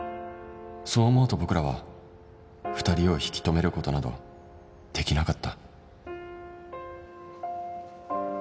そう思うと僕らは２人を引き留める事などできなかった